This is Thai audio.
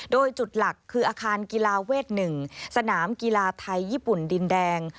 โดยจุดหลักคืออาคารกีฬาเวท๑สนามกีฬาไทยญี่ปุ่นดินแดง